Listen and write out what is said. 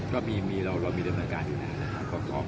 ก็มีเรามีเรื่องบริการอยู่นะครับ